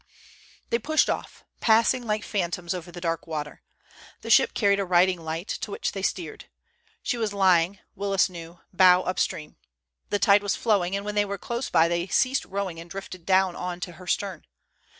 They pushed off, passing like phantoms over the dark water. The ship carried a riding light, to which they steered. She was lying, Willis knew, bow upstream. The tide was flowing, and when they were close by they ceased rowing and drifted down on to her stern.